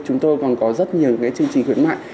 chúng tôi còn có rất nhiều chương trình khuyến mại